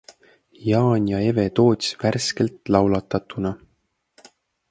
Jaan ja Eve Toots värskelt laulatatuna!